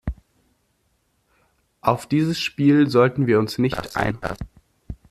Auf dieses Spiel sollten wir uns nicht einlassen.